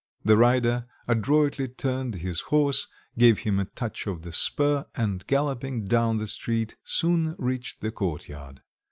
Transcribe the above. The rider adroitly turned his horse, gave him a touch of the spur, and galloping down the street soon reached the courtyard.